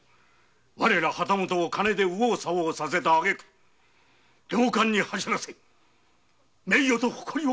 我ら旗本を金で右往左往させたあげく猟官に走らせ名誉と誇りを奪い取った。